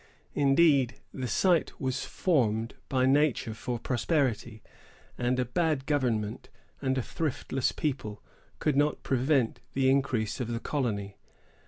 Indeed, the site was formed by nature for prosperity; and a bad government and a thriftless people could not prevent the increase of the colony.